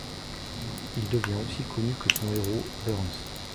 Il devient aussi connu que son héros, Burns.